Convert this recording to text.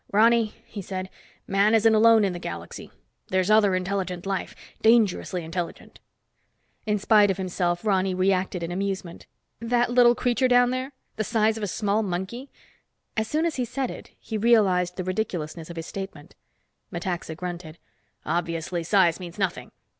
"Ronny," he said, "man isn't alone in the galaxy. There's other intelligent life. Dangerously intelligent." In spite of himself Ronny reacted in amusement. "That little creature down there? The size of a small monkey?" As soon as he said it, he realized the ridiculousness of his statement. Metaxa grunted. "Obviously, size means nothing.